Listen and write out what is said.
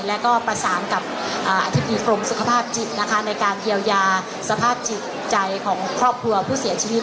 แล้วก็ประสานกับอธิบดีกรมสุขภาพจิตนะคะในการเยียวยาสภาพจิตใจของครอบครัวผู้เสียชีวิต